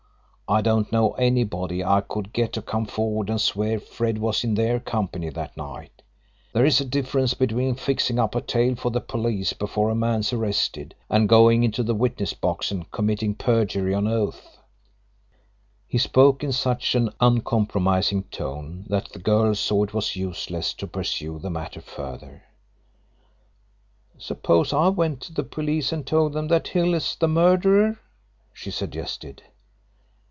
I don't know anybody I could get to come forward and swear Fred was in their company that night there is a difference between fixing up a tale for the police before a man's arrested, and going into the witness box and committing perjury on oath." He spoke in such an uncompromising tone that the girl saw it was useless to pursue the matter further. "Suppose I went to the police and told them that Hill is the murderer?" she suggested.